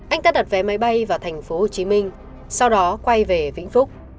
anh ta đặt vé máy bay vào thành phố hồ chí minh sau đó quay về vĩnh phúc